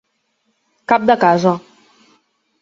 Cap de casa.